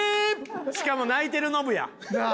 しかも泣いてるノブやん。